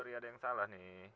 tapi ada yang salah nih